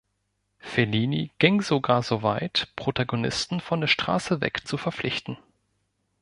Fellini ging sogar so weit, Protagonisten von der Straße weg zu verpflichten.